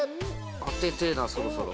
当ててえな、そろそろ。